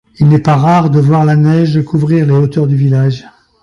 Il n'est pas rare de voir la neige couvrir les hauteurs du village.